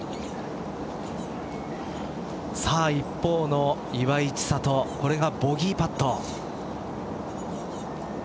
一方の岩井千怜これがボギーパット。